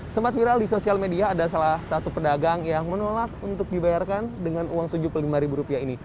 sempat viral di sosial media ada salah satu pedagang yang menolak untuk dibayarkan dengan uang rp tujuh puluh lima ini